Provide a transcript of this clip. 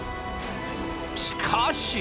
しかし！